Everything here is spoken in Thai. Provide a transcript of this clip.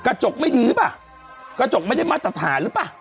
กระจกไม่ดีใช่ป่ะกระจกไม่ได้มาตรฐานหรือป่ะ